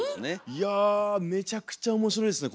いやめちゃくちゃ面白いですね